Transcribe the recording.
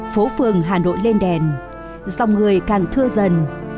phố phường hà nội lên đèn dòng người càng thưa dần